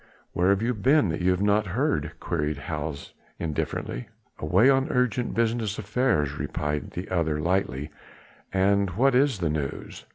where have you been that you've not heard?" queried Hals indifferently. "Away on urgent business affairs," replied the other lightly; "and what is the news?"